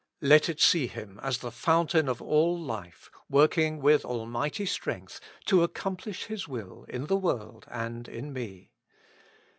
Let it see Him as the Fountain of all Life, working with Almighty Strength to accomplish His will on the world and in me.